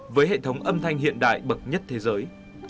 với hệ thống âm thanh hiện đại bậc nhất thế giới